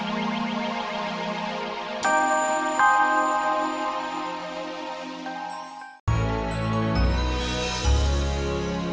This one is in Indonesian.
gua emang salah nyulik